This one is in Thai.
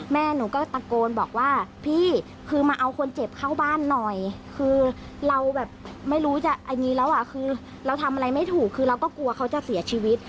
แม่หนูก็ตะโกนบอกว่าพี่คือมาเอาคนเจ็บเข้าบ้านหน่อยคือเราแบบไม่รู้จะอันนี้แล้วอ่ะคือเราทำอะไรไม่ถูกคือเราก็กลัวเขาจะเสียชีวิต